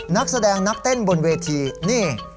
นักแสดงนักเต้นบนเวทีนี่